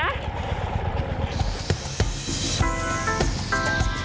kembali ke organised kawanan lumba